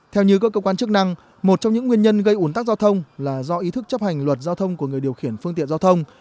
theo như các cơ quan chức năng một trong những nguyên nhân gây ủn tắc giao thông là do ý thức chấp hành luật giao thông của người điều khiển phương tiện giao thông